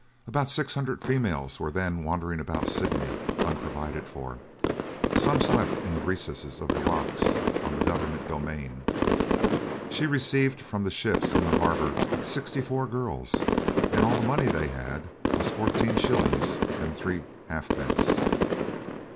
About six hundred females were then wandering about Sydney unprovided for. Some slept in the recesses of the rocks on the Government domain. She received from the ships in the harbour sixty four girls, and all the money they had was fourteen shillings and three half pence.